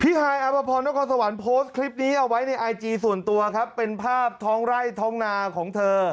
ฮายอภพรนครสวรรค์โพสต์คลิปนี้เอาไว้ในไอจีส่วนตัวครับเป็นภาพท้องไร่ท้องนาของเธอ